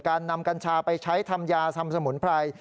การนำกัญชาไปใช้ทำยาทำสมุนไพร